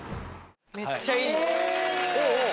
めっちゃいい。